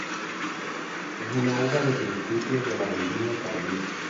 Es una uva de principios de la vendimia tardía.